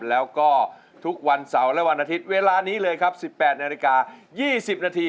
แล้วก็ทุกวันเสาร์และวันอาทิตย์เวลานี้เลยครับ๑๘นาฬิกา๒๐นาที